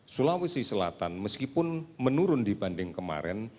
sulawesi selatan meskipun menurun dibanding kemarin